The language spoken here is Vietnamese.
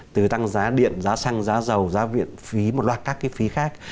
từ tăng giá điện giá xăng giá dầu giá viện phí một loạt các cái phí khác